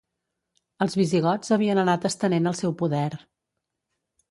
Els visigots havien anat estenent el seu poder.